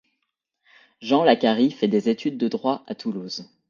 Jean Lacarry fait des études de droit à Toulouse.